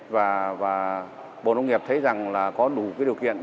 và bộ nông nghiệp thấy rằng là có đủ cái điều kiện